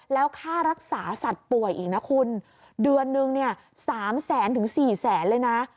แล้วค่ารักษาสัตว์ป่วยอีกนะคุณเดือนนึงเนี่ย๓แสนถึงสี่แสนเลยนะ